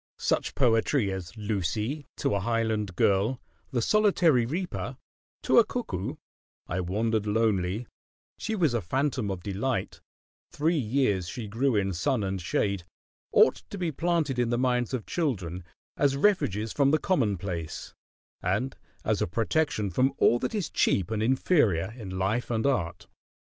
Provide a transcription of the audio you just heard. Such poetry as "Lucy," "To a Highland Girl," "The Solitary Reaper," "To a Cuckoo," "I Wandered Lonely," "She Was a Phantom of Delight," "Three Years She Grew in Sun and Shade," ought to be planted in the minds of children as refuges from the commonplace, and as a protection from all that is cheap and inferior in life and art.